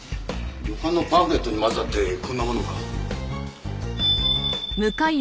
旅館のパンフレットに交ざってこんなものが。